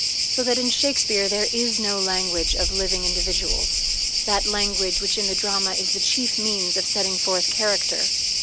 So that in Shakespeare there is no language of living individuals that language which in the drama is the chief means of setting forth character.